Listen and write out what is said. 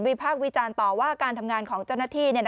พากษ์วิจารณ์ต่อว่าการทำงานของเจ้าหน้าที่